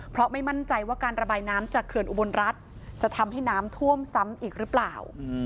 เพราะไม่มั่นใจว่าการระบายน้ำจากเขื่อนอุบลรัฐจะทำให้น้ำท่วมซ้ำอีกหรือเปล่า